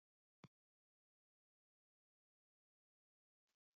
Эсвэл хардсанаас болж тэгж бодогдоно уу?